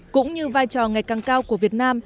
cũng như vai trò ngày càng cao của việt nam